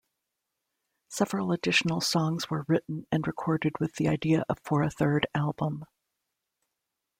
Several additional songs were written and recorded with the idea for a third album.